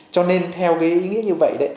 cho nên theo cái ý nghĩa như vậy đấy